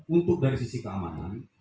untuk dari sisi keamanan